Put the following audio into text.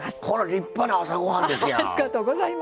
立派な朝ごはんですやん。